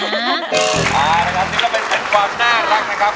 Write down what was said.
ที่เราเป็นเป็นความน่ารักนะครับ